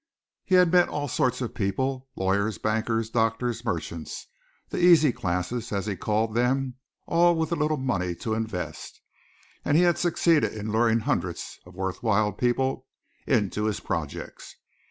He had met all sorts of people, lawyers, bankers, doctors, merchants, the "easy classes" he called them, all with a little money to invest, and he had succeeded in luring hundreds of worth while people into his projects.